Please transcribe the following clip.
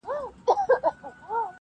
د یوه نیکه اولاد بولي ځانونه-